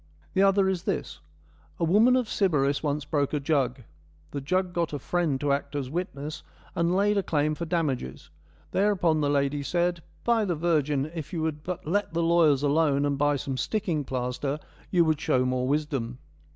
The other is this : A woman of Sybaris once broke a jug. The jug got a friend to act as witness, and laid a claim for damages. Thereupon the lady said :' By the virgin, if you would but let the lawyers alone and buy some sticking plaster you would show more wisdom.'